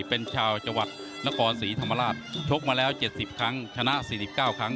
เป็นชาวจังหวัดนครศรีธรรมราชชกมาแล้ว๗๐ครั้งชนะ๔๙ครั้ง